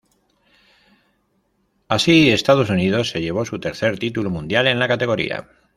Así, Estados Unidos se llevó su tercer título mundial en la categoría.